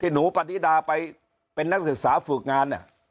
หนูปฏิดาไปเป็นนักศึกษาฝึกงาน